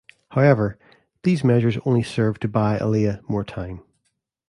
However, these measures only served to buy Alia more time.